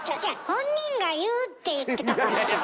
本人が言うって言ってたからさ。